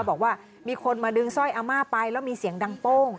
บอกว่ามีคนมาดึงสร้อยอาม่าไปแล้วมีเสียงดังโป้ง